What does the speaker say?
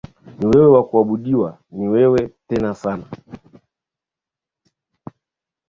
Ni wewe wa kuabudiwa ni wewe tena sana.